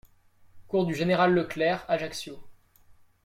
Cours du Général Leclerc, Ajaccio